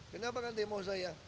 kenapa akan demo saya